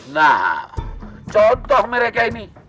nah contoh mereka ini